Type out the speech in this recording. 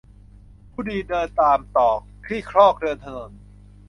ผู้ดีเดินตามตรอก ขี้ครอกเดินถนน